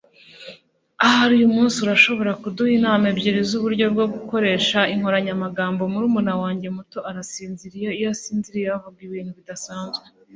Ahari uyumunsi urashobora kuduha inama ebyiri zuburyo bwo gukoresha inkoranyamagambo Murumuna wanjye muto arasinzira iyo asinziriye Avuga ibintu bidasanzwe